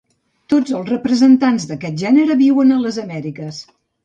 Tots els representants d'aquest gènere viuen a les Amèriques.